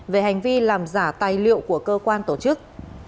về hành vi làm giả tài liệu của cơ quan tổ chức